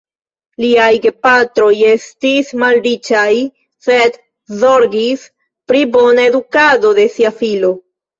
Liaj gepatroj estis malriĉaj, sed zorgis pri bona edukado de sia filo.